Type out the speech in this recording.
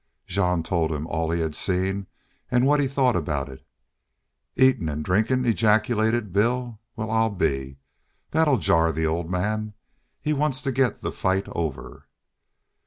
Jean told him all he had seen and what he thought about it. "Eatin' an' drinkin'!" ejaculated Bill. "Well, I'll be ! That 'll jar the old man. He wants to get the fight over.